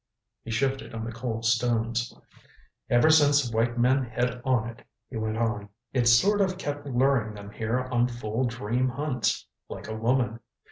He shifted on the cold stones. "Ever since white men hit on it," he went on, "it's sort of kept luring them here on fool dream hunts like a woman.